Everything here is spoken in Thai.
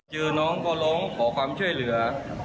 เจอน้องก็ร้องขอความช่วยเหลือ